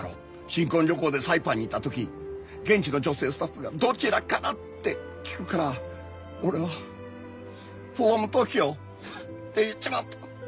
新婚旅行でサイパンに行ったとき現地の女性スタッフが「どちらから？」って聞くから俺は「ｆｒｏｍＴｏｋｙｏ」って言っちまった。